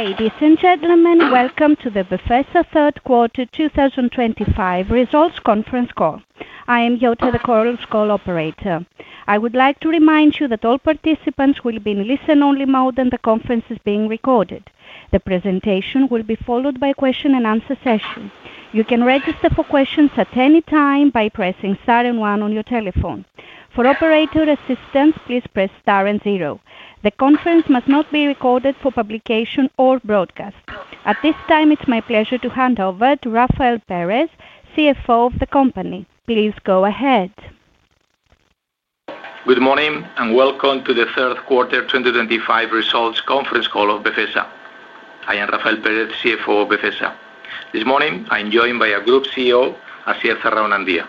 Ladies and gentlemen, welcome to the Befesa Third Quarter 2025 Results Conference Call. I am Jota, the call rules call operator. I would like to remind you that all participants will be in listen-only mode and the conference is being recorded. The presentation will be followed by a question and answer session. You can register for questions at any time by pressing star and one on your telephone. For operator assistance, please press star and zero. The conference must not be recorded for publication or broadcast. At this time, it's my pleasure to hand over to Rafael Perez, CFO of the company. Please go ahead. Good morning and welcome to the Third Quarter 2025 Results Conference Call of Befesa. I am Rafael Perez, CFO of Befesa. This morning, I am joined by our Group CEO, Asier Zarraonandia.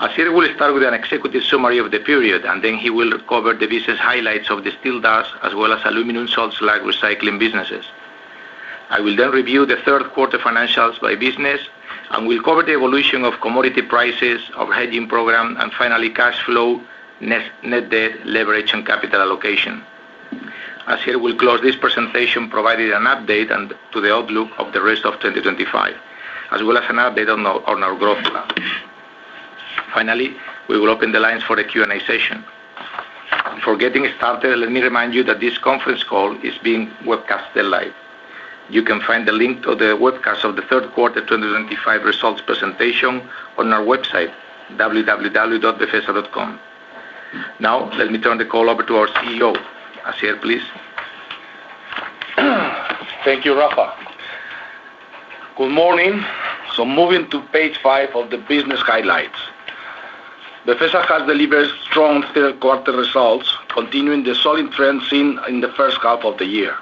Asier will start with an executive summary of the period, and then he will cover the business highlights of the Steel Dust as well as Aluminum Salt Slag Recycling businesses. I will then review the third quarter financials by business and will cover the evolution of commodity prices, our hedging program, and finally, cash flow, net debt, leverage, and capital allocation. Asier will close this presentation providing an update to the outlook of the rest of 2025, as well as an update on our growth plan. Finally, we will open the lines for a Q&A session. Before getting started, let me remind you that this conference call is being webcasted live. You can find the link to the webcast of the third quarter 2025 results presentation on our website, www.befesa.com. Now, let me turn the call over to our CEO, Asier, please. Thank you, Rafa. Good morning. Moving to page five of the business highlights. Befesa has delivered strong third-quarter results, continuing the solid trends seen in the first half of the year.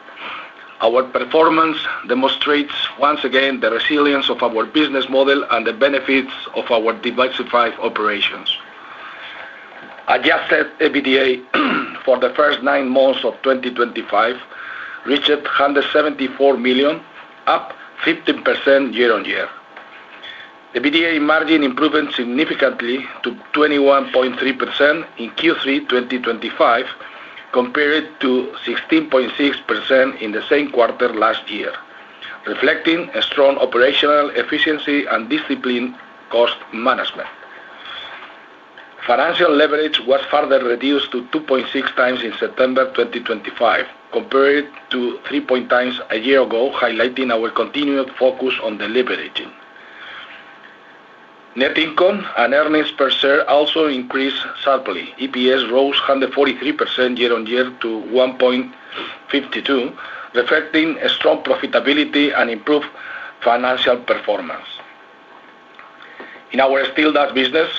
Our performance demonstrates once again the resilience of our business model and the benefits of our diversified operations. Adjusted EBITDA for the first nine months of 2025 reached 174 million, up 15% year-on-year. EBITDA margin improved significantly to 21.3% in Q3 2025, compared to 16.6% in the same quarter last year, reflecting strong operational efficiency and disciplined cost management. Financial leverage was further reduced to 2.6x in September 2025, compared to 3.9x a year ago, highlighting our continued focus on deleveraging. Net income and earnings per share also increased sharply. EPS rose 143% year-on-year to 1.52, reflecting strong profitability and improved financial performance. In our Steel Dust business,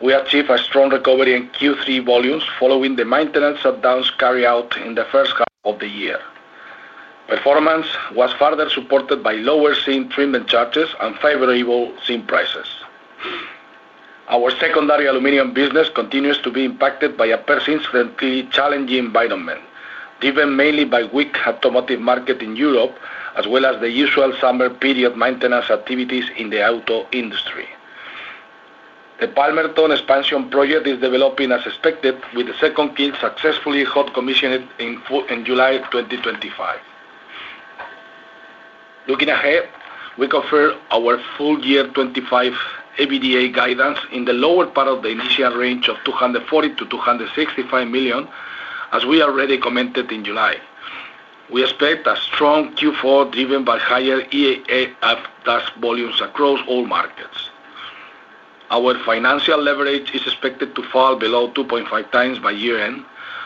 we achieved a strong recovery in Q3 volumes following the maintenance stoppages carried out in the first half of the year. Performance was further supported by lower treatment charges and favorable zinc prices. Our secondary aluminum business continues to be impacted by a persistently challenging environment, driven mainly by a weak automotive market Europe, as well as the usual summer period maintenance activities in the auto industry. The Palmerton expansion project is developing as expected, with the second kiln successfully hot commissioned in July 2025. Looking ahead, we confirm our full year 2025 EBITDA guidance in the lower part of the initial range of 240-265 million, as we already commented in July. We expect a strong Q4 driven by higher EAF dust volumes across all markets. Our financial leverage is expected to fall below 2.5x by year-end,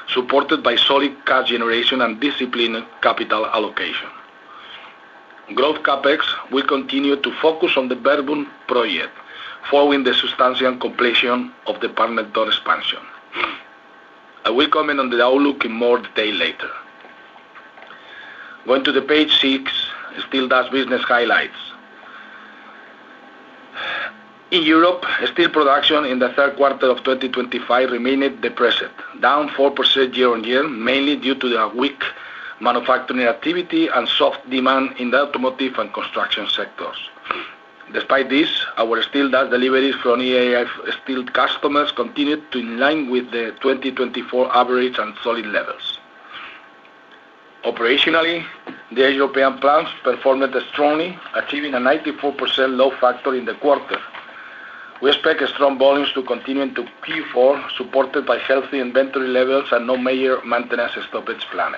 supported by solid cash generation and disciplined capital allocation. Growth CapEx will continue to focus on the Bernburg project following the substantial completion of the Palmerton expansion. I will comment on the outlook in more detail later. Going to page six, Steel Dust business highlights. Europe, steel production in the third quarter of 2025 remained depressed, down 4% year-on-year, mainly due to weak manufacturing activity and soft demand in the automotive and construction sectors. Despite this, our steel dust deliveries from EAF steel customers continued to align with the 2024 average and solid levels. Operationally, European plants performed strongly, achieving a 94% load factor in the quarter. We expect strong volumes to continue into Q4, supported by healthy inventory levels and no major maintenance stoppage planned.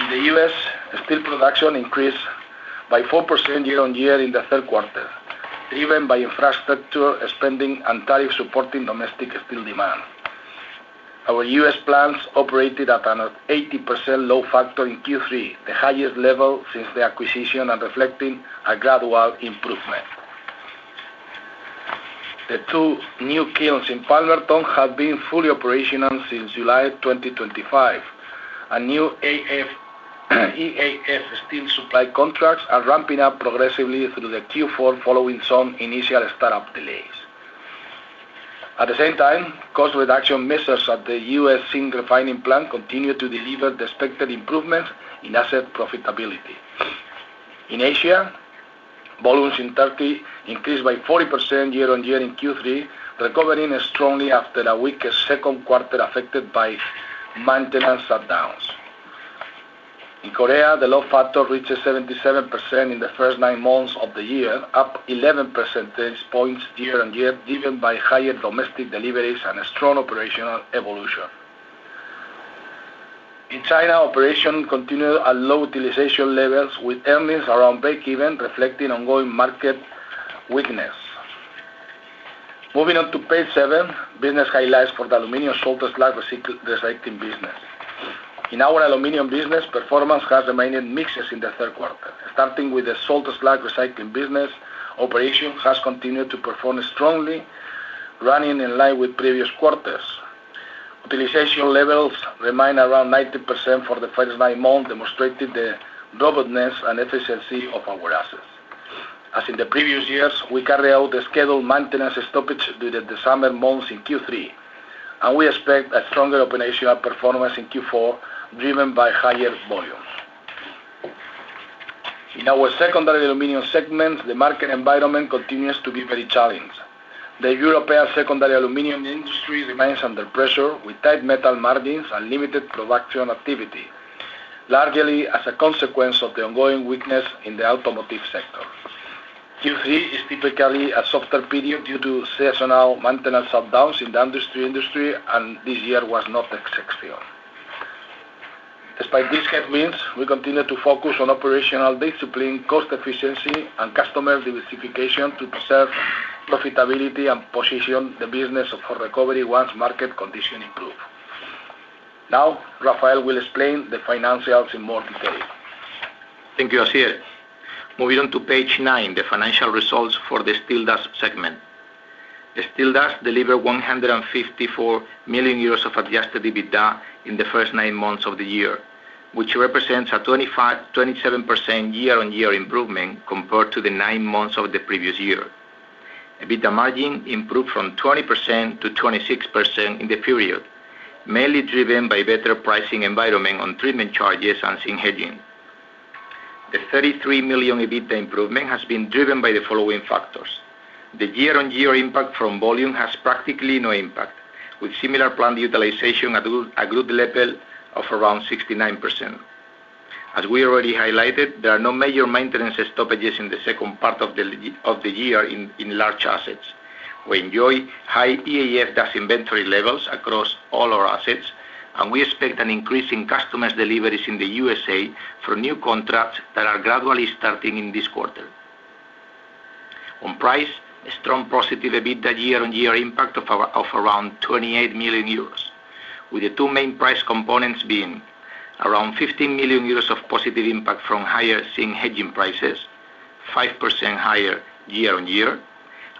In the U.S., steel production increased by 4% year-on-year in the third quarter, driven by infrastructure spending and tariffs supporting domestic steel demand. Our U.S. plants operated at an 80% load factor in Q3, the highest level since the acquisition, and reflecting a gradual improvement. The two new kilns in Palmerton have been fully operational since July 2023, and new EAF steel supply contracts are ramping up progressively through Q4, following some initial startup delays. At the same time, cost reduction measures at the U.S. zinc refining plant continue to deliver the expected improvements in asset profitability. In Asia, volumes in Turkey increased by 40% year-on-year in Q3, recovering strongly after a weak second quarter affected by maintenance shutdowns. In Korea, the load factor reached 77% in the first nine months of the year, up 11 percentage points year-on-year, driven by higher domestic deliveries and a strong operational evolution. In China, operations continue at low utilization levels with earnings around breakeven, reflecting ongoing market weakness. Moving on to page seven, business highlights for the Aluminum Salt Slag Recycling business. In our aluminum business, performance has remained mixed in the third quarter. Starting with the Salt Slag Recycling business, operations have continued to perform strongly, running in line with previous quarters. Utilization levels remain around 90% for the first nine months, demonstrating the durability and efficiency of our assets. As in the previous years, we carried out the scheduled maintenance stoppage during the summer months in Q3, and we expect a stronger operational performance in Q4, driven by higher volumes. In our secondary aluminum segments, the market environment continues to be very challenging. European secondary aluminum industry remains under pressure, with tight metal margins and limited production activity, largely as a consequence of the ongoing weakness in the automotive sector. Q3 is typically a softer period due to seasonal maintenance shutdowns in the industry, and this year was no exception. Despite these headwinds, we continue to focus on operational discipline, cost efficiency, and customer diversification to preserve profitability and position the business for recovery once market conditions improve. Now, Rafael will explain the financials in more detail. Thank you, Asier. Moving on to page nine, the financial results for the Steel Dust segment. The Steel Dust delivered 154 million euros of adjusted EBITDA in the first nine months of the year, which represents a 27% year-on-year improvement compared to the nine months of the previous year. EBITDA margin improved from 20% to 26% in the period, mainly driven by a better pricing environment on treatment charges and zinc hedging. The 33 million EBITDA improvement has been driven by the following factors. The year-on-year impact from volume has practically no impact, with similar plant utilization at a good level of around 69%. As we already highlighted, there are no major maintenance stoppages in the second part of the year in large assets. We enjoy high EAF dust inventory levels across all our assets, and we expect an increase in customer deliveries in the U.S. from new contracts that are gradually starting in this quarter. On price, a strong positive EBITDA year-on-year impact of around 28 million euros, with the two main price components being around 15 million euros of positive impact from higher zinc hedging prices, 5% higher year-on-year,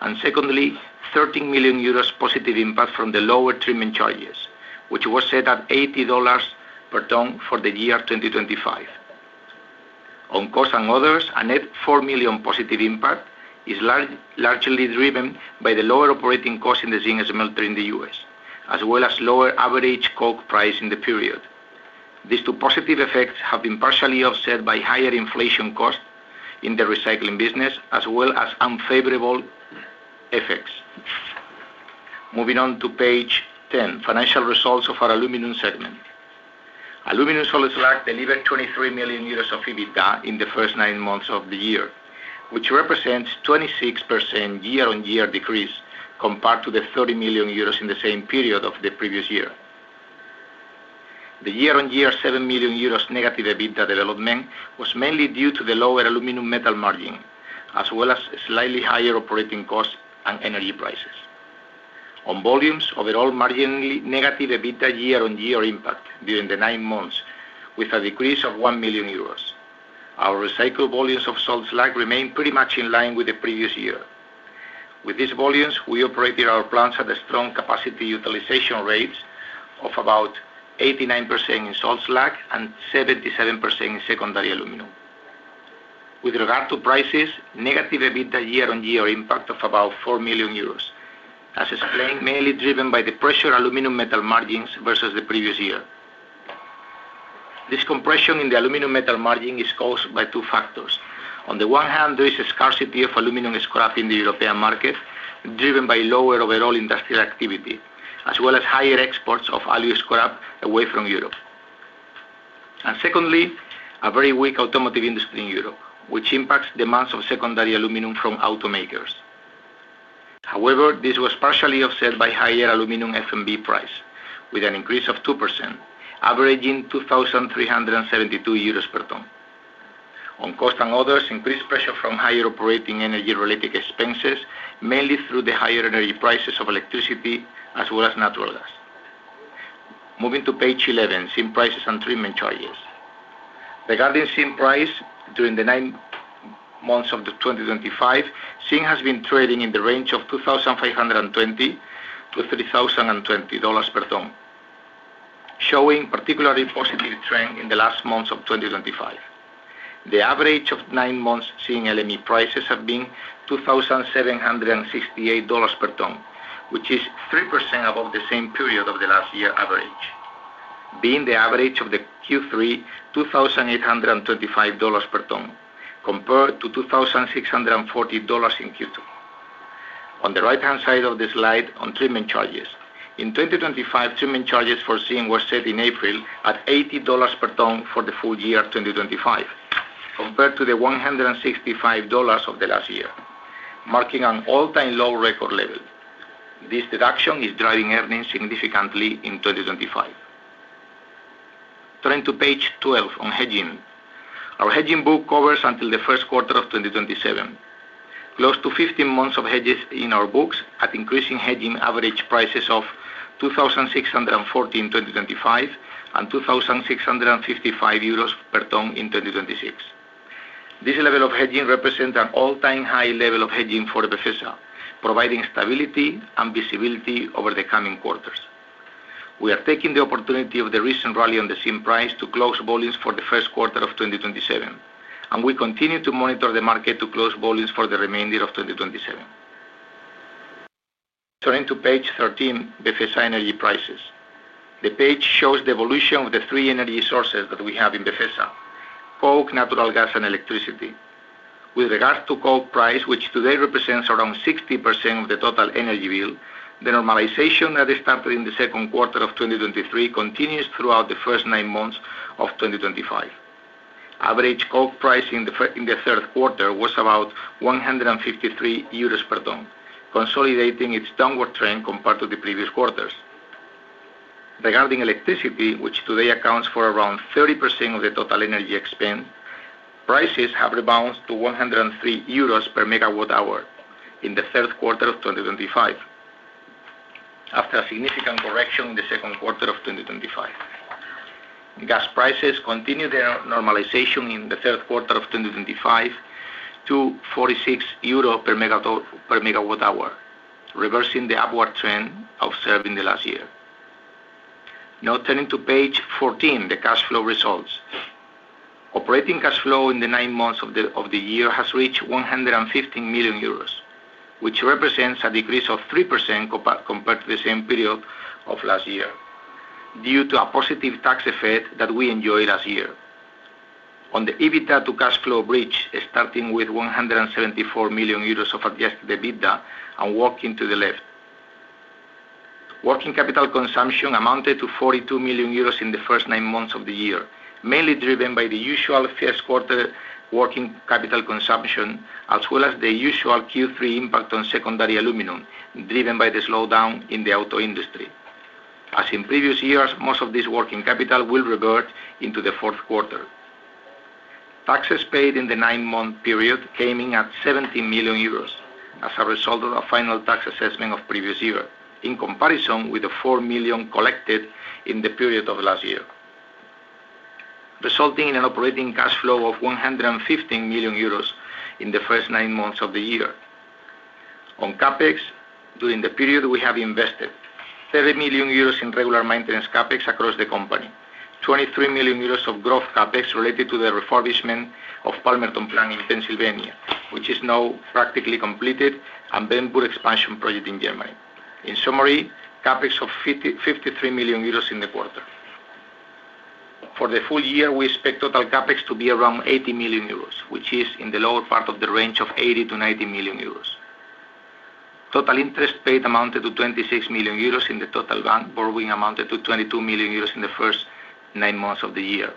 and secondly, 13 million euros positive impact from the lower treatment charges, which was set at $80 per tonne for the year 2025. On cost and others, a net 4 million positive impact is largely driven by the lower operating costs in the zinc smelter in the U.S., as well as lower average coke price in the period. These two positive effects have been partially offset by higher inflation costs in the recycling business, as well as unfavorable effects. Moving on to page 10, financial results of our aluminum segment. Aluminum Salt Slag Recycling delivered 23 million euros of EBITDA in the first nine months of the year, which represents a 26% year-on-year decrease compared to the 30 million euros in the same period of the previous year. The year-on-year 7 million euros negative EBITDA development was mainly due to the lower aluminum metal margin, as well as slightly higher operating costs and energy prices. On volumes, overall marginally negative EBITDA year-on-year impact during the nine months, with a decrease of 1 million euros. Our recycled volumes of salt slag remain pretty much in line with the previous year. With these volumes, we operated our plants at a strong capacity utilization rate of about 89% in salt slag and 77% in secondary aluminum. With regard to prices, negative EBITDA year-on-year impact of about 4 million euros, as explained, mainly driven by the pressure aluminum metal margins versus the previous year. This compression in the aluminum metal margin is caused by two factors. On the one hand, there is a scarcity of aluminum scrap in European market, driven by lower overall industrial activity, as well as higher exports of alloy scrap away Europe. secondly, a very weak automotive industry Europe, which impacts demands of secondary aluminum from automakers. However, this was partially offset by higher aluminum F&B price, with an increase of 2%, averaging 2,372 euros per tonne. On cost and others, increased pressure from higher operating energy-related expenses, mainly through the higher energy prices of electricity, as well as natural gas. Moving to page 11, zinc prices and treatment charges. Regarding zinc price, during the nine months of 2025, zinc has been trading in the range of $2,520-$3,020 per ton, showing a particularly positive trend in the last months of 2025. The average of nine months zinc LME prices have been $2,768 per ton, which is 3% above the same period of the last year's average, being the average of the Q3 $2,825 per ton, compared to $2,640 in Q2. On the right-hand side of the slide, on treatment charges. In 2025, treatment charges for zinc were set in April at $80 per ton for the full year 2025, compared to the $165 of the last year, marking an all-time low record level. This deduction is driving earnings significantly in 2025. Turning to page 12 on hedging. Our hedging book covers until the first quarter of 2027. Close to 15 months of hedges in our books at increasing hedging average prices of 2,640 in 2025 and 2,655 euros per tonne in 2026. This level of hedging represents an all-time high level of hedging for Befesa, providing stability and visibility over the coming quarters. We are taking the opportunity of the recent rally on the zinc price to close volumes for the first quarter of 2027, and we continue to monitor the market to close volumes for the remainder of 2027. Turning to page 13, Befesa energy prices. The page shows the evolution of the three energy sources that we have in Befesa: coke, natural gas, and electricity. With regards to coke price, which today represents around 60% of the total energy bill, the normalization that started in the second quarter of 2023 continues throughout the first nine months of 2025. Average coke price in the third quarter was about 153 euros per ton, consolidating its downward trend compared to the previous quarters. Regarding electricity, which today accounts for around 30% of the total energy expense, prices have rebounded to 103 euros per megawatt hour in the third quarter of 2025, after a significant correction in the second quarter of 2025. Gas prices continue their normalization in the third quarter of 2025 to 46 euro per megawatt hour, reversing the upward trend observed in the last year. Now turning to page 14, the cash flow results. Operating cash flow in the nine months of the year has reached 115 million euros, which represents a decrease of 3% compared to the same period of last year due to a positive tax effect that we enjoyed last year. On the EBITDA to cash flow bridge, starting with 174 million euros of adjusted EBITDA and working to the left. Working capital consumption amounted to 42 million euros in the first nine months of the year, mainly driven by the usual first quarter working capital consumption, as well as the usual Q3 impact on secondary aluminum, driven by the slowdown in the auto industry. As in previous years, most of this working capital will revert into the fourth quarter. Taxes paid in the nine-month period came in at 17 million euros as a result of the final tax assessment of the previous year, in comparison with the 4 million collected in the period of last year, resulting in an operating cash flow of 115 million euros in the first nine months of the year. On CapEx, during the period we have invested 30 million euros in regular maintenance CapEx across the company, 23 million euros of growth CapEx related to the refurbishment of Palmerton plant in Pennsylvania, which is now practically completed, and the Bernburg expansion project in Germany. In summary, CapEx of 53 million euros in the quarter. For the full year, we expect total CapEx to be around 80 million euros, which is in the lower part of the range of 80 to 90 million euros. Total interest paid amounted to 26 million euros and the total bank borrowing amounted to 22 million euros in the first nine months of the year.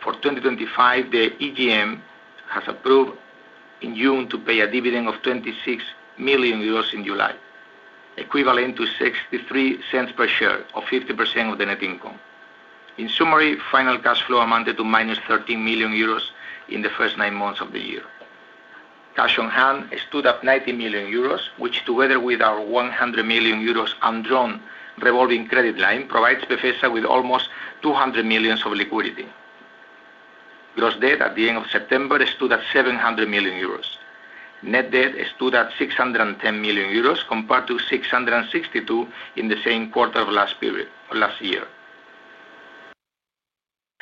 For 2025, the EGM has approved in June to pay a dividend of 26 million euros in July, equivalent to 0.63 per share or 50% of the net income. In summary, final cash flow amounted to minus 13 million euros in the first nine months of the year. Cash on hand stood at 90 million euros, which, together with our 100 million euros undrawn revolving credit line, provides Befesa S.A. with almost 200 million of liquidity. Gross debt at the end of September stood at 700 million euros. Net debt stood at 610 million euros compared to 662 million in the same quarter of last year,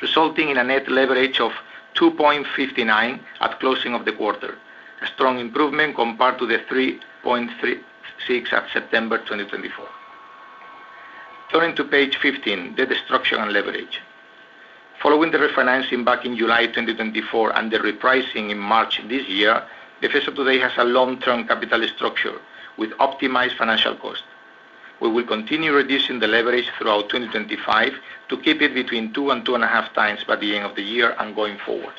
resulting in a net leverage of 2.59 at closing of the quarter, a strong improvement compared to the 3.36 at September 2024. Turning to page 15, debt structure and leverage. Following the refinancing back in July 2024 and the repricing in March this year, Befesa today has a long-term capital structure with optimized financial costs. We will continue reducing the leverage throughout 2025 to keep it between 2x and 2.5x by the end of the year and going forward.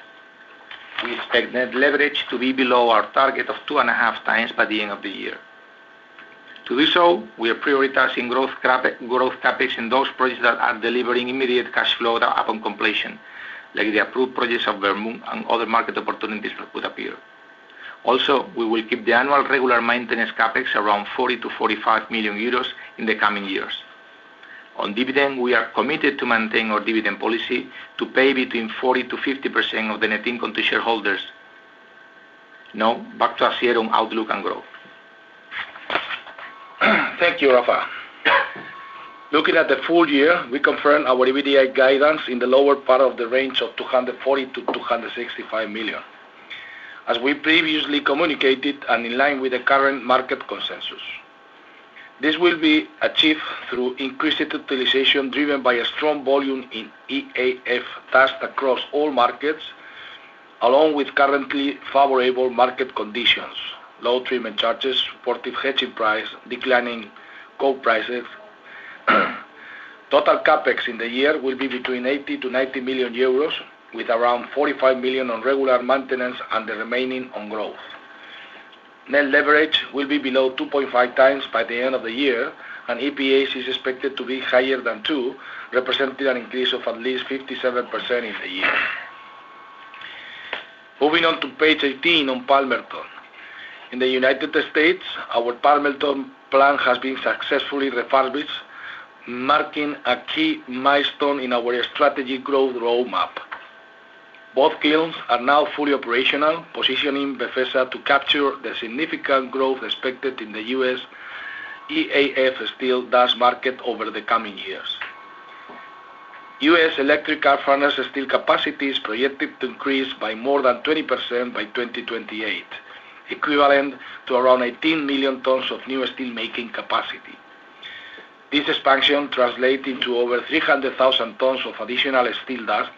We expect net leverage to be below our target of 2.5x by the end of the year. To do so, we are prioritizing growth CapEx in those projects that are delivering immediate cash flow upon completion, like the approved projects of Bernburg and other market opportunities that could appear. Also, we will keep the annual regular maintenance CapEx around 40- 45 million euros in the coming years. On dividend, we are committed to maintain our dividend policy to pay between 40%-50% of the net income to shareholders. Now, back to Asier on outlook and growth. Thank you, Rafa. Looking at the full year, we confirm our EBITDA guidance in the lower part of the range of 240 million-265 million, as we previously communicated and in line with the current market consensus. This will be achieved through increased utilization driven by a strong volume in EAF dust across all markets, along with currently favorable market conditions, low treatment charges, supportive hedging price, declining coke prices. Total CapEx in the year will be between 80 million-90 million euros, with around 45 million on regular maintenance and the remaining on growth. Net leverage will be below 2.5x by the end of the year, and EPS is expected to be higher than 2, representing an increase of at least 57% in the year. Moving on to page 18 on Palmerton. In the United States, our Palmerton plant has been successfully refurbished, marking a key milestone in our strategic growth roadmap. Both kilns are now fully operational, positioning Befesa to capture the significant growth expected in the U.S. EAF steel dust market over the coming years. U.S. electric arc furnace steel capacity is projected to increase by more than 20% by 2028, equivalent to around 18 million tons of new steelmaking capacity. This expansion translates into over 300,000 tons of additional steel dust,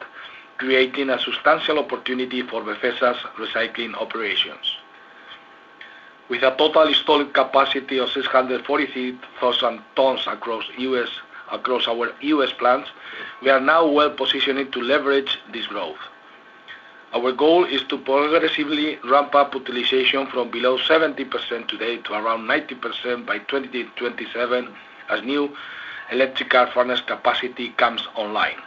creating a substantial opportunity for Befesa's recycling operations. With a total installed capacity of 643,000 tons across our U.S. plants, we are now well positioned to leverage this growth. Our goal is to progressively ramp up utilization from below 70% today to around 90% by 2027 as new electric arc furnace capacity comes online.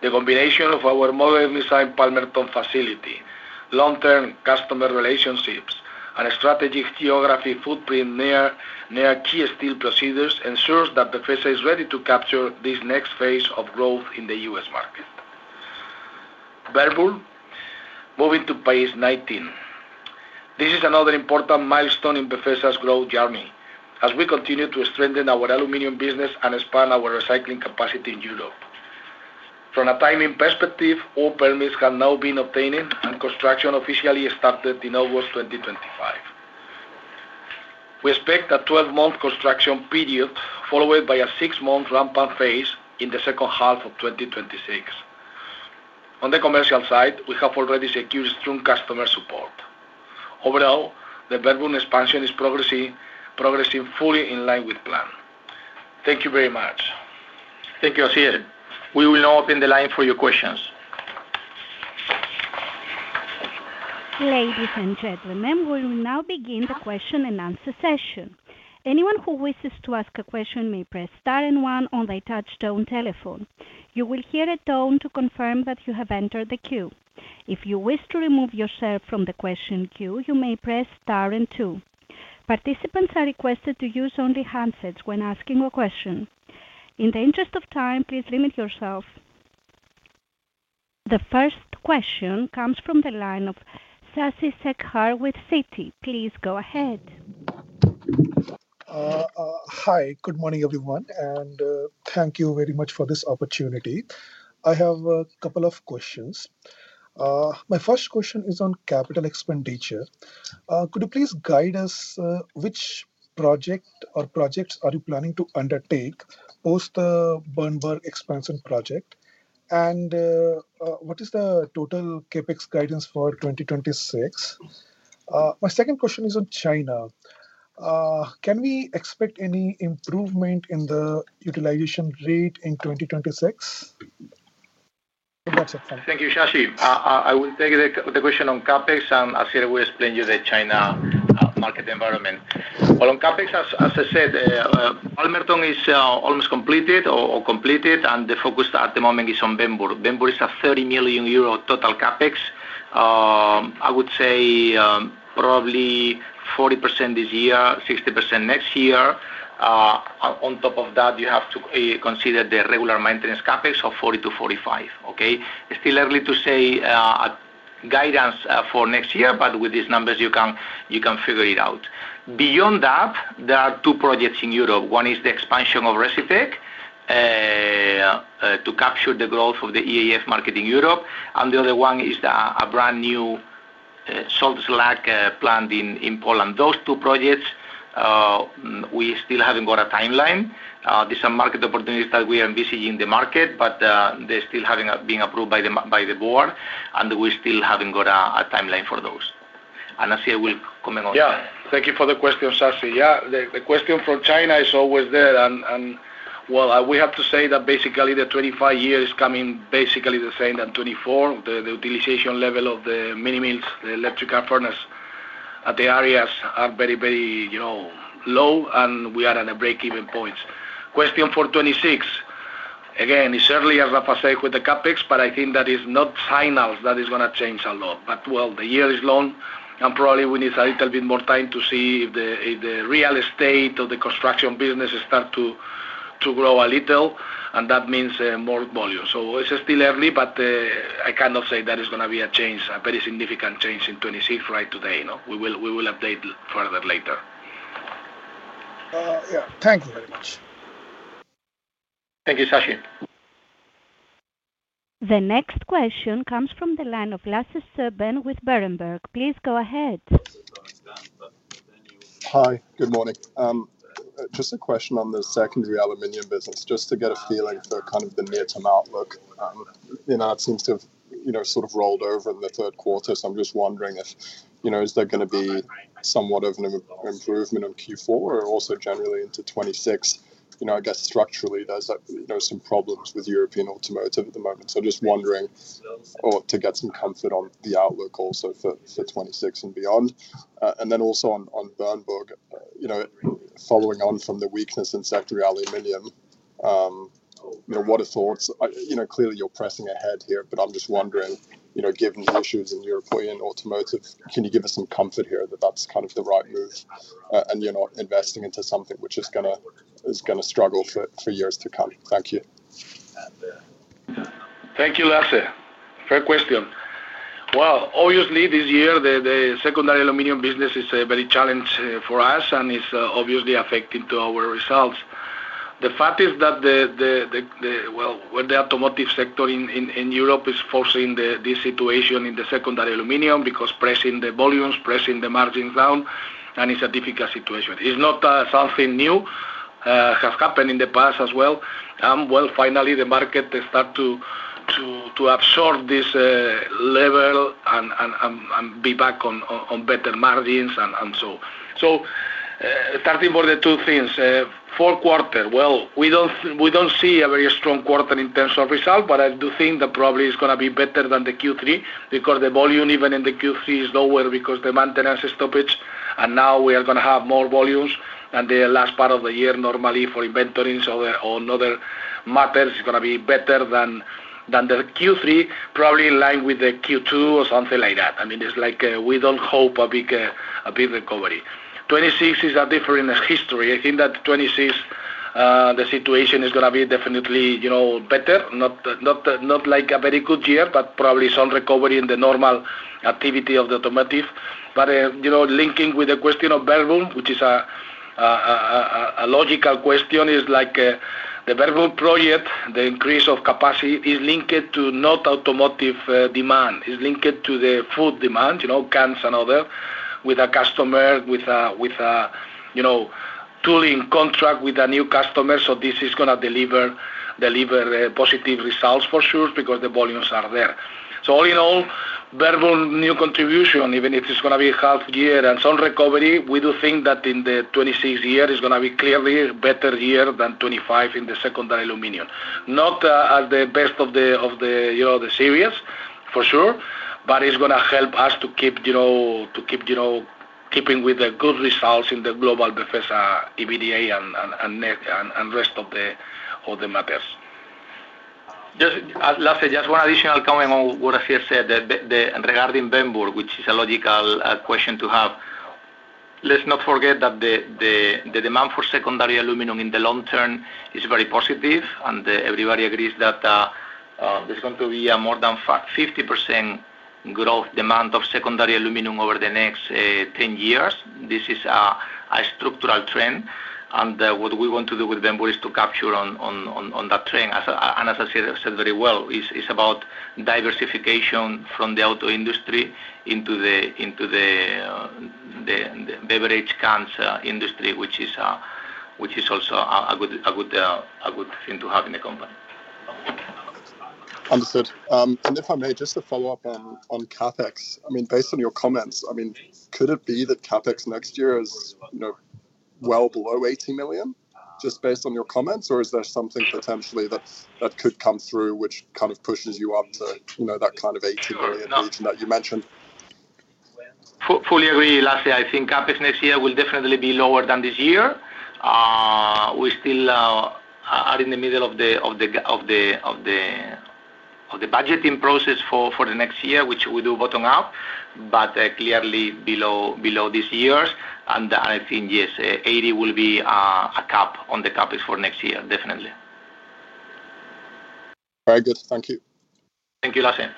The combination of our modernizing Palmerton facility, long-term customer relationships, and a strategic geography footprint near key steel producers ensures that Befesa is ready to capture this next phase of growth in the U.S. market. Bernburg, moving to page 19. This is another important milestone in Befesa's growth journey, as we continue to strengthen our aluminum business and expand our recycling capacity in Europe. From a timing perspective, all permits have now been obtained and construction officially started in August 2025. We expect a 12-month construction period, followed by a six-month ramp-up phase in the second half of 2026. On the commercial side, we have already secured strong customer support. Overall, the Bernburg expansion is progressing fully in line with plan. Thank you very much. Thank you, Asier. We will now open the line for your questions. Ladies and gentlemen, we will now begin the question and answer session. Anyone who wishes to ask a question may press star and one on the attached tone telephone. You will hear a tone to confirm that you have entered the queue. If you wish to remove yourself from the question queue, you may press star and two. Participants are requested to use only handsets when asking a question. In the interest of time, please limit yourself. The first question comes from the line of Sashi Shekhar with Citi. Please go ahead. Hi, good morning everyone, and thank you very much for this opportunity. I have a couple of questions. My first question is on capital expenditure. Could you please guide us which project or projects are you planning to undertake post the Bernburg expansion project? What is the total CapEx guidance for 2026? My second question is on China. Can we expect any improvement in the utilization rate in 2026? Thank you, Shashi. I will take the question on CapEx, and Asier will explain to you the China market environment. On CapEx, as I said, Palmerton is almost completed or completed, and the focus at the moment is on Bernburg. Bernburg is a 30 million euro total CapEx. I would say probably 40% this year, 60% next year. On top of that, you have to consider the regular maintenance CapEx of 40 million-45 million. Okay? It's still early to say guidance for next year, but with these numbers, you can figure it out. Beyond that, there are two projects Europe. one is the expansion of Recytech to capture the growth of the EAF market Europe, and the other one is a brand new salt slag plant in Poland. Those two projects, we still haven't got a timeline. These are market opportunities that we are envisaging in the market, but they still haven't been approved by the Board, and we still haven't got a timeline for those. Asier will comment on that. Yeah, thank you for the question, Shasi. The question from China is always there. We have to say that basically the 2025 year is coming basically the same as 2024. The utilization level of the minimills, the electric arc furnace at the areas, are very, very, you know, low, and we are at a break-even point. Question for 2026. Again, it's early, as Rafa said, with the CapEx, but I think that is not final. That is going to change a lot. The year is long, and probably we need a little bit more time to see if the real estate or the construction business starts to grow a little, and that means more volume. It's still early, but I cannot say that is going to be a change, a very significant change in 2026 right today. We will update further later. Yeah, thank you very much. Thank you, Sashi. The next question comes from the line of Lasse Stüben with Berenberg. Please go ahead. Hi, good morning. Just a question on the secondary aluminum business, just to get a feeling for kind of the near-term outlook. It seems to have sort of rolled over in the third quarter. I'm just wondering if there is going to be somewhat of an improvement in Q4 or also generally into 2026. I guess structurally, there's some problems European automotive at the moment. I'm just wondering to get some comfort on the outlook also for 2026 and beyond. Also, on Bernburg, following on from the weakness in secondary aluminum, what are thoughts? Clearly you're pressing ahead here, but I'm just wondering, given the issues European automotive, can you give us some comfort here that that's kind of the right move and you're not investing into something which is going to struggle for years to come? Thank you. Thank you, Lasse. Fair question. Obviously, this year, the secondary aluminum business is a very challenge for us and is obviously affecting our results. The fact is that the, where the automotive sector Europe is forcing this situation in the secondary aluminum because pressing the volumes, pressing the margins down, and it's a difficult situation. It's not something new. It has happened in the past as well. Finally, the market starts to absorb this level and be back on better margins. Starting for the two things, fourth quarter, we don't see a very strong quarter in terms of result, but I do think that probably it's going to be better than the Q3 because the volume even in the Q3 is lower because the maintenance stoppage. Now we are going to have more volumes than the last part of the year. Normally, for inventories or other matters, it's going to be better than the Q3, probably in line with the Q2 or something like that. I mean, it's like we don't hope a big recovery. 2026 is a different history. I think that 2026, the situation is going to be definitely, you know, better. Not like a very good year, but probably some recovery in the normal activity of the automotive. You know, linking with the question of Bernburg, which is a logical question, is like the Bernburg project, the increase of capacity is linked to not automotive demand. It's linked to the food demands, you know, cans and other, with a customer, with a, you know, tooling contract with a new customer. This is going to deliver positive results for sure because the volumes are there. All in all, Bernburg new contribution, even if it's going to be a half year and some recovery, we do think that in the 2026 years, it's going to be clearly a better year than 2025 in the secondary aluminum. Not at the best of the, you know, the series, for sure, but it's going to help us to keep, you know, keeping with the good results in the global Befesa EBITDA and the rest of the matters. Lasse, just one additional comment on what Asier said regarding Bernburg, which is a logical question to have. Let's not forget that the demand for secondary aluminum in the long term is very positive, and everybody agrees that there's going to be a more than 50% growth demand of secondary aluminum over the next 10 years. This is a structural trend, and what we want to do with Bernburg is to capture on that trend. As Asier said very well, it's about diversification from the auto industry into the beverage cans industry, which is also a good thing to have in the company. Understood. If I may, just to follow up on CapEx, I mean, based on your comments, could it be that CapEx next year is, you know, well below 80 million? Just based on your comments, or is there something potentially that could come through which kind of pushes you up to, you know, that kind of EUR 80 million region that you mentioned? Fully agree, Lasse. I think CapEx next year will definitely be lower than this year. We still are in the middle of the budgeting process for the next year, which we do bottom up, but clearly below this year's. I think, yes, 80 million will be a cap on the CapEx for next year, definitely. Very good. Thank you. Thank you, Lasse.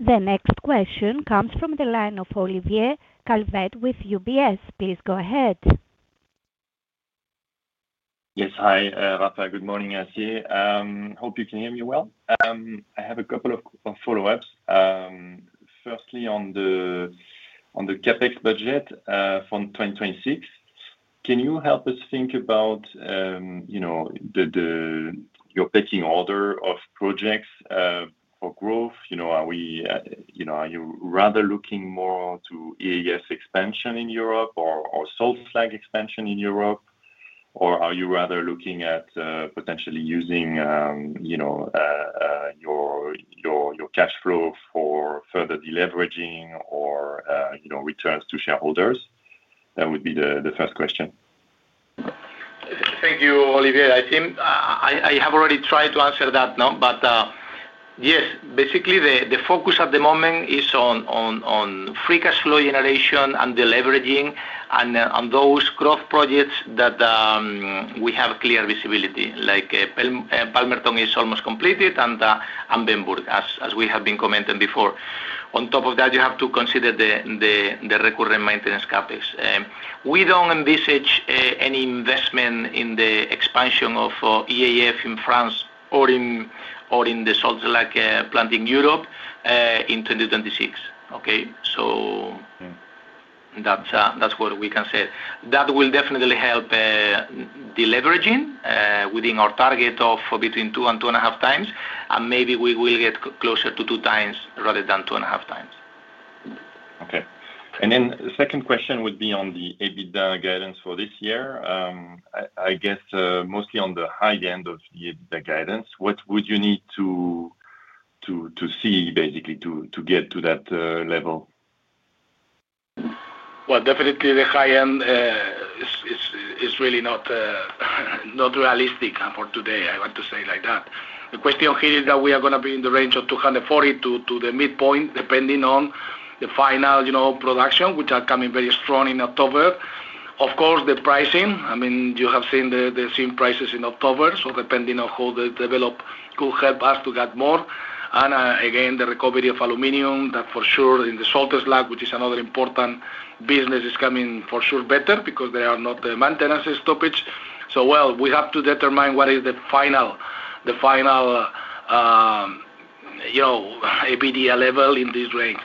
The next question comes from the line of Olivier Calvet with UBS. Please go ahead. Yes, hi, Rafa. Good morning, Asier. Hope you can hear me well. I have a couple of follow-ups. Firstly, on the CapEx budget for 2026, can you help us think about, you know, your pecking order of projects for growth? You know, are you rather looking more to EAF expansion Europe or salt slag expansion Europe, or are you rather looking at potentially using, you know, your cash flow for further deleveraging or, you know, returns to shareholders? That would be the first question. Thank you, Olivier. I think I have already tried to answer that, but yes, basically, the focus at the moment is on free cash flow generation and deleveraging and those growth projects that we have clear visibility. Like Palmerton is almost completed and Bernburg, as we have been commenting before. On top of that, you have to consider the recurrent maintenance CapEx. We don't envisage any investment in the expansion of EAF in France or in the salt slag plant in Europe in 2026. That's what we can say. That will definitely help deleveraging within our target of between 2x and 2.5x, and maybe we will get closer to 2x rather than 2.5x. Okay. The second question would be on the EBITDA guidance for this year. I guess mostly on the high end of the EBITDA guidance, what would you need to see, basically, to get to that level? Definitely the high end is really not realistic for today, I want to say like that. The question here is that we are going to be in the range of 240 million to the midpoint, depending on the final production, which are coming very strong in October. Of course, the pricing, I mean, you have seen the zinc prices in October. Depending on how they develop, could help us to get more. Again, the recovery of aluminum, that for sure in the salt slag, which is another important business, is coming for sure better because there are not the maintenance stoppages. We have to determine what is the final, you know, EBITDA level in this range.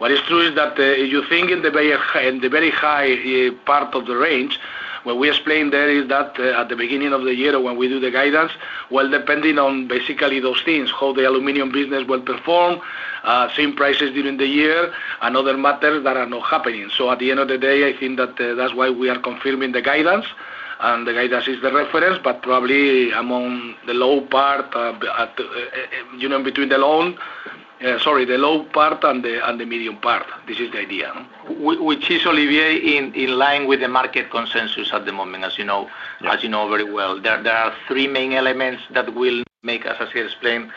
What is true is that you think in the very high part of the range, what we explain there is that at the beginning of the year when we do the guidance, depending on basically those things, how the aluminum business will perform, zinc prices during the year, and other matters that are not happening. At the end of the day, I think that that's why we are confirming the guidance, and the guidance is the reference, but probably among the low part, you know, between the low, sorry, the low part and the medium part. This is the idea. Which is Olivier in line with the market consensus at the moment, as you know very well. There are three main elements that will make us, as I explained,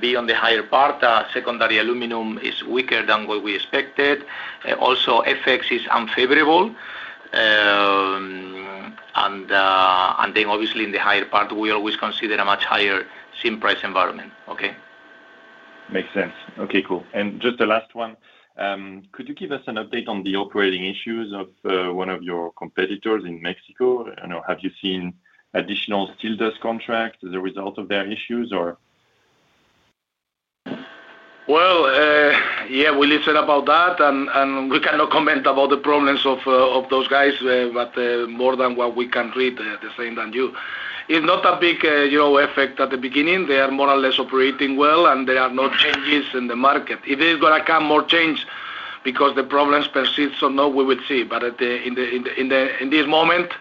be on the higher part. Secondary aluminum is weaker than what we expected. Also, FX is unfavorable. Then obviously in the higher part, we always consider a much higher zinc price environment. Okay. Makes sense. Okay, cool. Just the last one, could you give us an update on the operating issues of one of your competitors in Mexico? I know, have you seen additional steel dust contracts as a result of their issues, or? Yes, we listened about that, and we cannot comment about the problems of those guys, but more than what we can read, the same than you. It's not a big effect at the beginning. They are more or less operating well, and there are no changes in the market. If there's going to come more change because the problems persist or not, we will see. At this moment,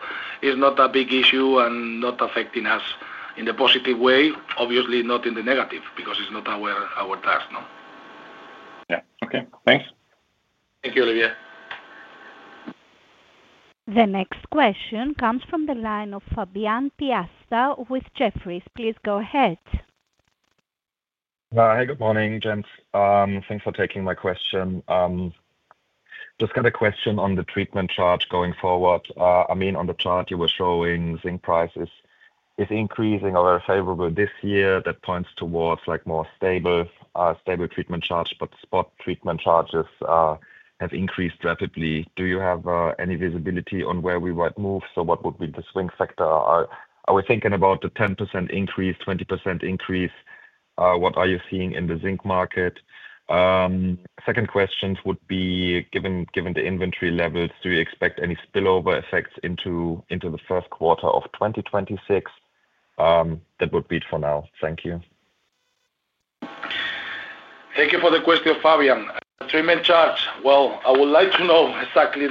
it's not a big issue and not affecting us in a positive way, obviously not in the negative because it's not our task. Yeah, okay. Thanks. Thank you, Olivier. The next question comes from the line of Fabian Piasta with Jefferies. Please go ahead. Hey, good morning, guys. Thanks for taking my question. Just got a question on the treatment charge going forward. I mean, on the chart you were showing, zinc prices is increasing or very favorable this year. That points towards like more stable treatment charge, but spot treatment charges have increased rapidly. Do you have any visibility on where we might move? What would be the swing factor? Are we thinking about the 10% increase, 20% increase? What are you seeing in the zinc market? Second question would be, given the inventory levels, do you expect any spillover effects into the first quarter of 2026? That would be it for now. Thank you. Thank you for the question, Fabian. Treatment charge, I would like to know exactly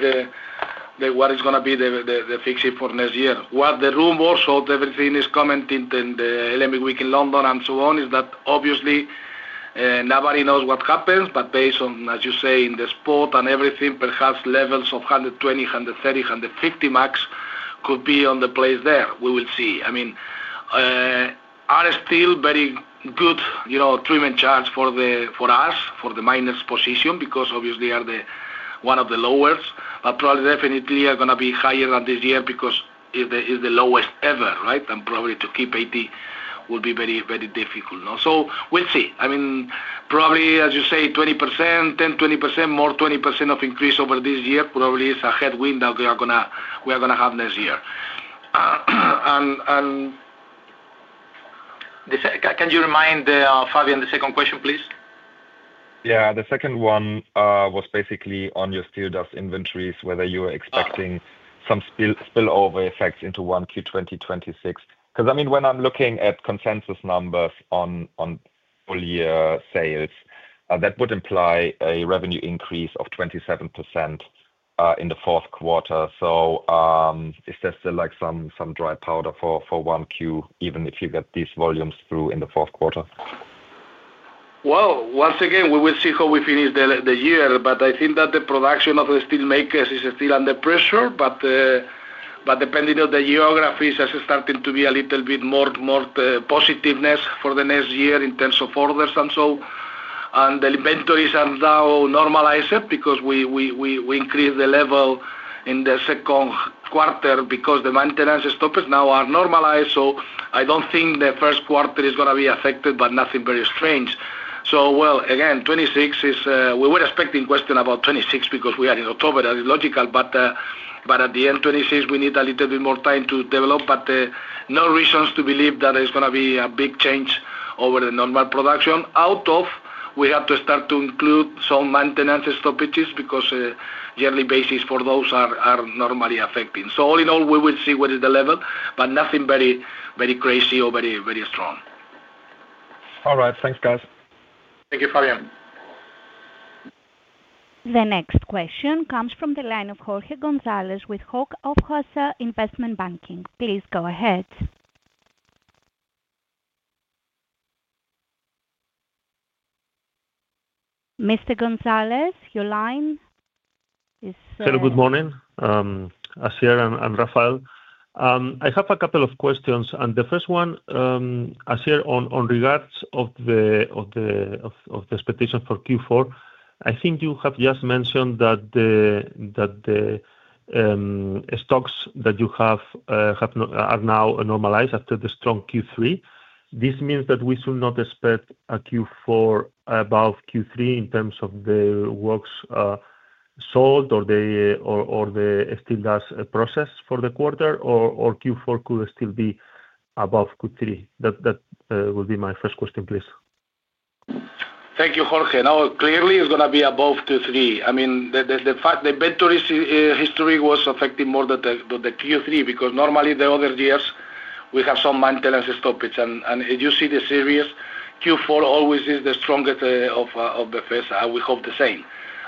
what is going to be the fix for next year. What the rumors of everything is coming in the LME week in London and so on is that obviously nobody knows what happens, but based on, as you say, in the spot and everything, perhaps levels of $120, $130, $150 max could be on the place there. We will see. I mean, are still very good, you know, treatment charges for us, for the miners' position because obviously are one of the lowest, but probably definitely are going to be higher than this year because it's the lowest ever, right? Probably to keep $80 will be very, very difficult. We will see. I mean, probably, as you say, 20%, 10%, 20%, more 20% of increase over this year probably is a headwind that we are going to have next year. Can you remind Fabian the second question, please? Yeah, the second one was basically on your steel dust inventories, whether you were expecting some spillover effects into Q1 2026. Because I mean, when I'm looking at consensus numbers on all-year sales, that would imply a revenue increase of 27% in the fourth quarter. Is there still like some dry powder for Q1, even if you get these volumes through in the fourth quarter? Once again, we will see how we finish the year, but I think that the production of the steelmakers is still under pressure. Depending on the geographies, as it's starting to be a little bit more positiveness for the next year in terms of orders and so, and the inventories are now normalized because we increased the level in the second quarter because the maintenance stoppages now are normalized. I don't think the first quarter is going to be affected, but nothing very strange. Again, 2026 is we were expecting questions about 2026 because we are in October. That is logical. At the end, 2026, we need a little bit more time to develop, but no reasons to believe that it's going to be a big change over the normal production. Out of, we have to start to include some maintenance stoppages because yearly basis for those are normally affecting. All in all, we will see what is the level, but nothing very, very crazy or very, very strong. All right. Thanks, guys. Thank you, Fabian. The next question comes from the line of Jorge González with Hauck Aufhäuser Investment Banking. Please go ahead. Mr. González, your line is open. Good morning, Asier and Rafael. I have a couple of questions. The first one, Asier, in regards to the expectations for Q4, I think you have just mentioned that the stocks that you have are now normalized after the strong Q3. Does this mean that we should not expect a Q4 above Q3 in terms of the works sold or the steel dust processed for the quarter, or could Q4 still be above Q3? That would be my first question, please. Thank you, Jorge. No, clearly, it's going to be above Q3. I mean, the inventory history was affecting more than the Q3 because normally the other years we have some maintenance stoppage. As you see the series, Q4 always is the strongest of Befesa. We hope the same.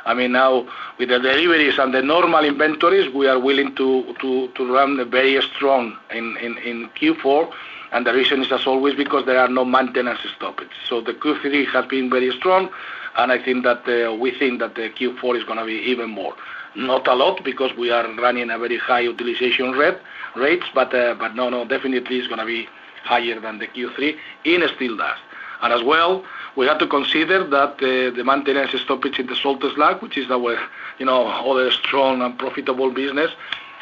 I mean, now with the deliveries and the normal inventories, we are willing to run very strong in Q4. The reason is, as always, because there are no maintenance stoppage. The Q3 has been very strong. I think that we think that the Q4 is going to be even more. Not a lot because we are running a very high utilization rate, but no, no, definitely it's going to be higher than the Q3 in steel dust. We have to consider that the maintenance stoppage in the salt slag, which is our, you know, other strong and profitable business,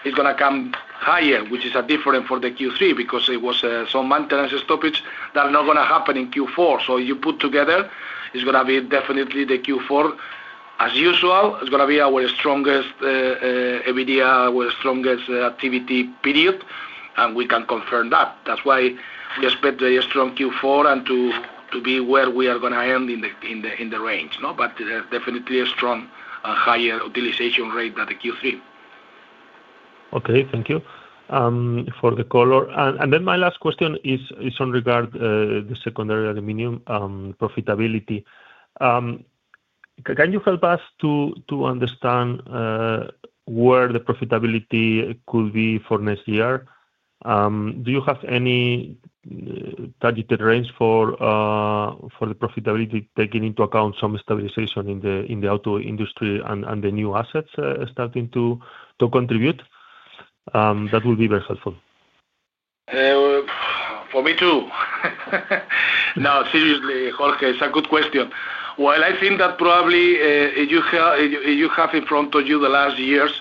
is going to come higher, which is different for the Q3 because it was some maintenance stoppage that are not going to happen in Q4. You put together, it's going to be definitely the Q4. As usual, it's going to be our strongest EBITDA, our strongest activity period. We can confirm that. That's why we expect a strong Q4 and to be where we are going to end in the range. Definitely a strong and higher utilization rate than the Q3. Okay, thank you for the call. My last question is in regard to the secondary aluminum profitability. Can you help us to understand where the profitability could be for next year? Do you have any targeted range for the profitability, taking into account some stabilization in the auto industry and the new assets starting to contribute? That would be very helpful. For me too. No, seriously, Jorge, it's a good question. I think that probably if you have in front of you the last years,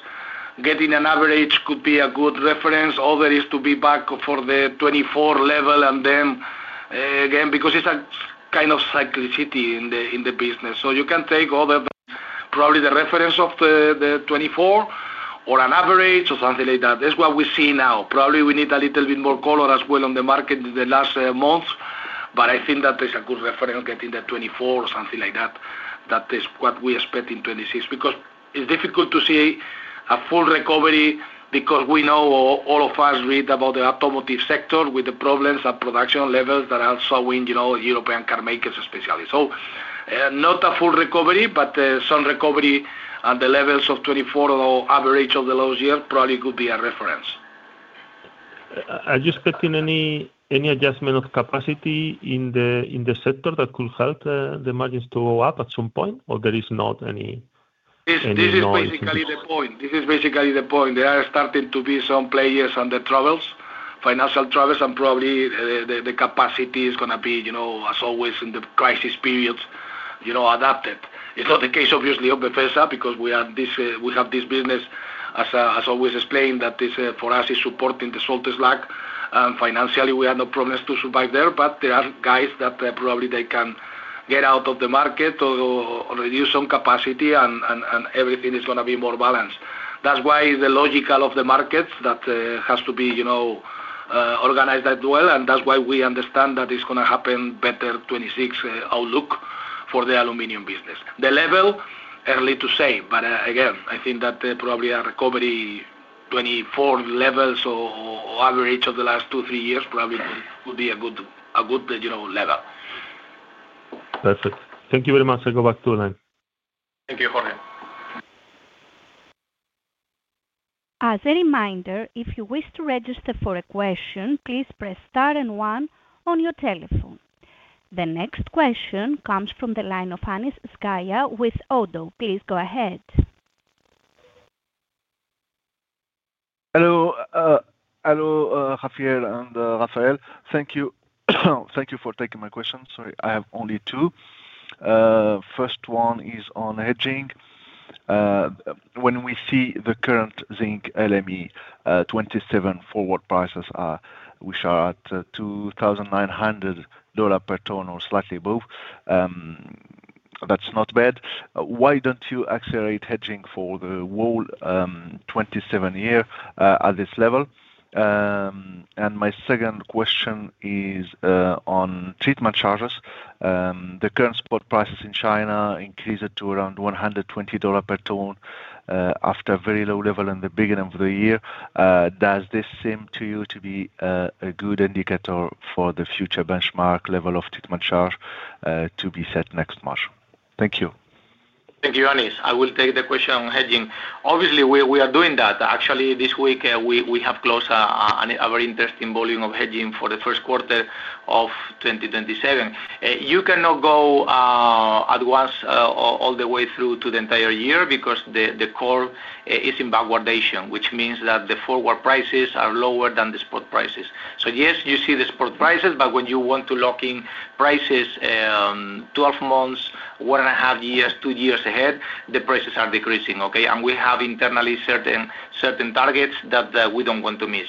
getting an average could be a good reference. Another is to be back for the 2024 level and then again, because it's a kind of cyclicity in the business. You can take either probably the reference of the 2024 or an average or something like that. That's what we see now. Probably we need a little bit more color as well on the market in the last months. I think that is a good reference, getting the 2024 or something like that. That is what we expect in 2026 because it's difficult to see a full recovery because we know all of us read about the automotive sector with the problems and production levels that are showing, you European car makers especially. Not a full recovery, but some recovery at the levels of 2024 or the average of the last year probably could be a reference. Are you expecting any adjustment of capacity in the sector that could help the margins to go up at some point, or there is not any? This is basically the point. There are starting to be some players and the troubles, financial troubles, and probably the capacity is going to be, you know, as always in the crisis periods, adapted. It's not the case, obviously, of Befesa because we have this business, as always explained, that for us is supporting the salt slag. Financially, we have no problems to survive there, but there are guys that probably they can get out of the market or reduce some capacity and everything is going to be more balanced. That's why the logic of the markets has to be, you know, organized as well. We understand that it's going to happen, better 2026 outlook for the aluminum business. The level, early to say, but again, I think that probably a recovery to 2024 levels or average of the last two, three years probably could be a good, you know, level. Perfect. Thank you very much. I go back to the line. Thank you, Jorge. As a reminder, if you wish to register for a question, please press star and one on your telephone. The next question comes from the line of Anis Zgaya with ODDO. Please go ahead. Hello. Hello, Asier and Rafael. Thank you. Thank you for taking my question. Sorry, I have only two. First one is on hedging. When we see the current zinc LME 2027 forward prices, which are at $2,900 per tonne or slightly above, that's not bad. Why don't you accelerate hedging for the whole 2027 year at this level? My second question is on treatment charges. The current spot prices in China increased to around $120 per tonne after a very low level in the beginning of the year. Does this seem to you to be a good indicator for the future benchmark level of treatment charge to be set next March? Thank you. Thank you, Anis. I will take the question on hedging. Obviously, we are doing that. Actually, this week, we have closed a very interesting volume of hedging for the first quarter of 2027. You cannot go at once all the way through to the entire year because the call is in backwardation, which means that the forward prices are lower than the spot prices. Yes, you see the spot prices, but when you want to lock in prices 12 months, one and a half years, two years ahead, the prices are decreasing. We have internally certain targets that we don't want to miss.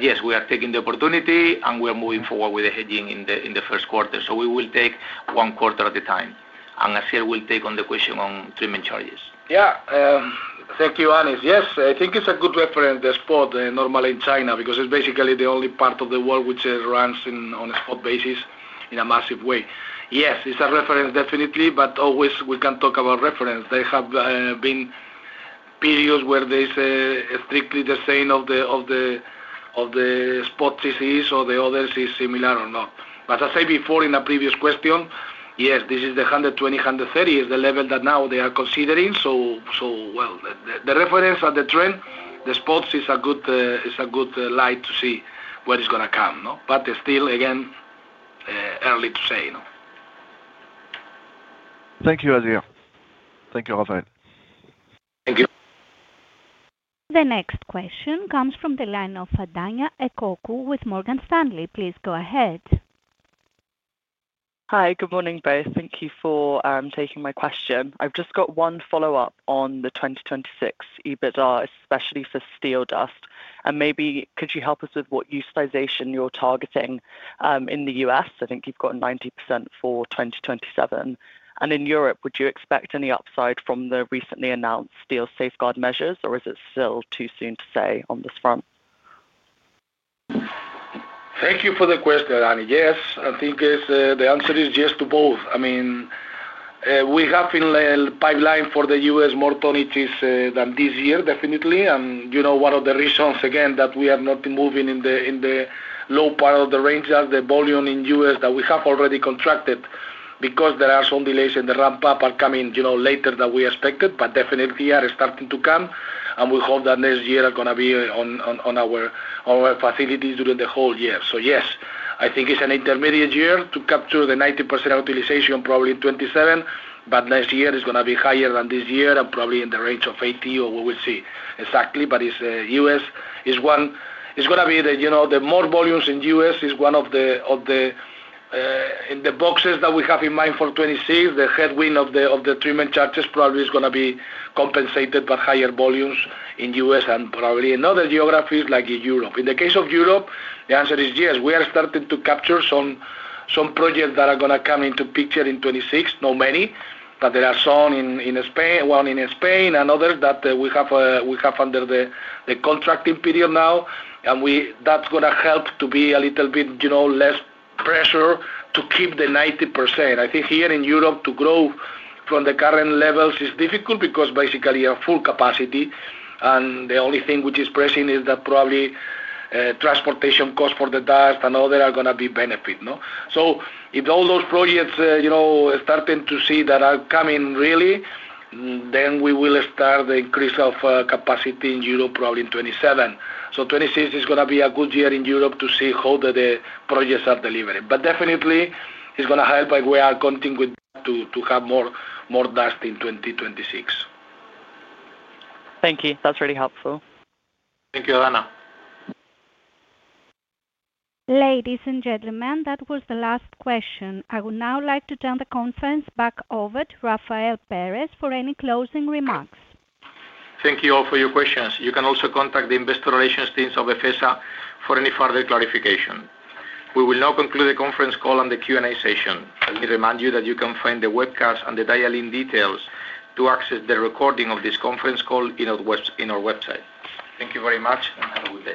Yes, we are taking the opportunity and we are moving forward with the hedging in the first quarter. We will take one quarter at a time. Asier will take on the question on treatment charges. Thank you, Anis. Yes, I think it's a good reference, the spot normally in China because it's basically the only part of the world which runs on a spot basis in a massive way. Yes, it's a reference definitely, but always we can talk about reference. There have been periods where there's strictly the same of the spot TCs or the others is similar or not. As I said before in a previous question, yes, this is the $120, $130 is the level that now they are considering. The reference and the trend, the spots is a good light to see what is going to come. Still, again, early to say. Thank you, Asier. Thank you, Rafael. Thank you. The next question comes from the line of Adahna Ekoku with Morgan Stanley. Please go ahead. Hi, good morning, both. Thank you for taking my question. I've just got one follow-up on the 2026 EBIT, especially for Steel Dust. Maybe could you help us with what utilization you're targeting in the U.S.? I think you've got 90% for 2027. Europe, would you expect any upside from the recently announced steel safeguard measures, or is it still too soon to say on this front? Thank you for the question, Adahna. Yes, I think the answer is yes to both. I mean, we have in the pipeline for the U.S. more tonnages than this year, definitely. One of the reasons, again, that we are not moving in the low part of the range is the volume in the U.S. that we have already contracted because there are some delays in the ramp-up that are coming later than we expected, but definitely are starting to come. We hope that next year are going to be on our facilities during the whole year. Yes, I think it's an intermediate year to capture the 90% utilization, probably 2027. Next year is going to be higher than this year and probably in the range of 80% or we will see exactly. The U.S. is one, it's going to be the, you know, the more volumes in the U.S. is one of the boxes that we have in mind for 2026. The headwind of the treatment charges probably is going to be compensated by higher volumes in the U.S. and probably in other geographies like Europe. in the case Europe, the answer is yes, we are starting to capture some projects that are going to come into picture in 2026. Not many, but there are some in Spain, one in Spain and others that we have under the contracting period now. That's going to help to be a little bit, you know, less pressure to keep the 90%. I think here Europe, to grow from the current levels is difficult because basically at full capacity. The only thing which is pressing is that probably transportation costs for the dust and other are going to be benefits. If all those projects, you know, starting to see that are coming really, then we will start the increase of capacity Europe probably in 2027. 2026 is going to be a good year Europe to see how the projects are delivered. Definitely, it's going to help and we are contingent to have more dust in 2026. Thank you. That's really helpful. Thank you, Adana. Ladies and gentlemen, that was the last question. I would now like to turn the conference back over to Rafael Perez for any closing remarks. Thank you all for your questions. You can also contact the investor relations teams of Befesa for any further clarification. We will now conclude the conference call and the Q&A session. Let me remind you that you can find the webcast and the dial-in details to access the recording of this conference call on our website. Thank you very much and have a good day.